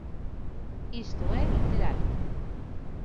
Isto é literal.